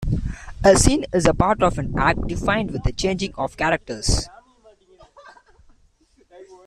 A scene is a part of an act defined with the changing of characters.